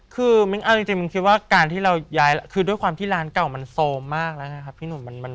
คือมิ้งคิดว่าการที่เราย้ายคือด้วยความที่ร้านเก่ามันโซมมากนะครับพี่หนุ่ม